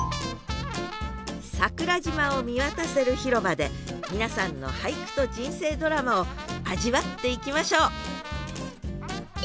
桜島を見渡せる広場で皆さんの俳句と人生ドラマを味わっていきましょう！